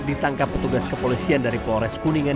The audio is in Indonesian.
ditangkap petugas kepolisian dari polres kuningan